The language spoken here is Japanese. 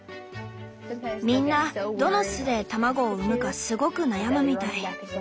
みんなどの巣で卵を産むかすごく悩むみたい。